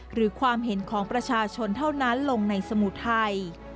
หรือความเห็นของประชาชนเท่านั้นลงในสมุทรไทย